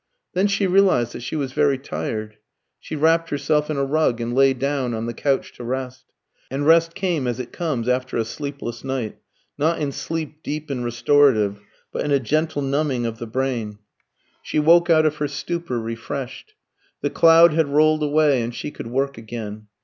Then she realised that she was very tired. She wrapped herself in a rug and lay down on the couch to rest. And rest came as it comes after a sleepless night, not in sleep deep and restorative, but in a gentle numbing of the brain. She woke out of her stupor refreshed. The cloud had rolled away, and she could work again.